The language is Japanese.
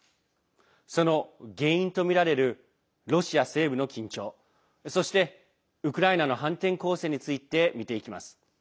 その原因とみられるロシア西部の緊張そして、ウクライナの反転攻勢について見ていきます。